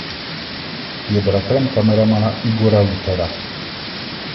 Je bratrem kameramana Igora Luthera.